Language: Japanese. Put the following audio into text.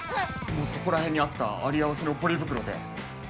もうそこら辺にあったあり合わせのポリ袋で。